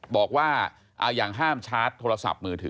บอกว่าเอาอย่างห้ามชาร์จโทรศัพท์มือถือ